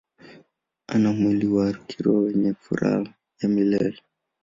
Ana mwili wa kiroho wenye furaha ya milele.